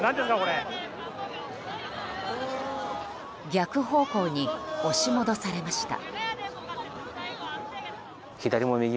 逆方向に押し戻されました。